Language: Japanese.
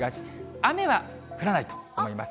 雨は降らないと思います。